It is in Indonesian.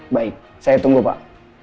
baik saya tunggu pak